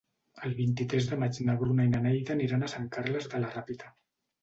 El vint-i-tres de maig na Bruna i na Neida aniran a Sant Carles de la Ràpita.